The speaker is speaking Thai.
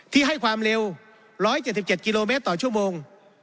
ให้ความเร็ว๑๗๗กิโลเมตรต่อชั่วโมง